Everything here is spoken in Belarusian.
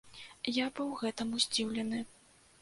Я быў гэтаму здзіўлены.